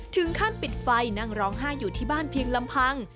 ถึงขั้นปิดไฟนั่งร้องไห้อยู่ที่บ้านเพียงลำพัง